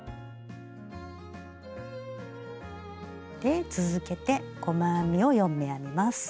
で続けて細編みを４目編みます。